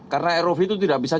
karena rov itu tidak bisa